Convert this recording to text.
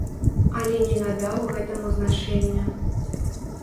Але не надаў гэтаму значэння.